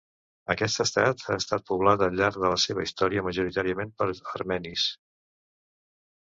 Aquest estat ha estat poblat al llarg de la seva històrica majoritàriament per armenis.